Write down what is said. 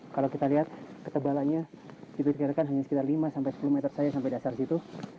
kalau kita lihat ketebalannya diperkirakan hanya sekitar lima sampai sepuluh meter saja sampai dasar situ